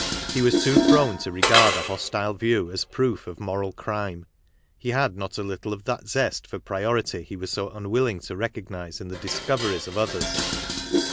He was too prone to regard a hostile view as proof of moral crime. He had not a little of that zest for priority he was so unwilling to recognize in the discoveries of others.